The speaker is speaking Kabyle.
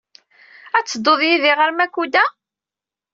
Ad tedduḍ yid-i ɣer Makuda?